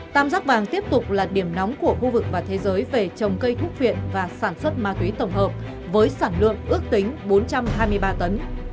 tam giác vàng tiếp tục là điểm nóng của khu vực và thế giới về trồng cây thuốc viện và sản xuất ma túy tổng hợp với sản lượng ước tính bốn trăm hai mươi ba tấn